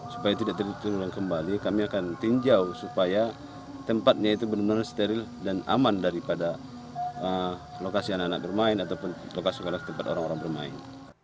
supaya tidak terulang kembali kami akan tinjau supaya tempatnya itu benar benar steril dan aman daripada lokasi anak anak bermain ataupun lokasi tempat orang orang bermain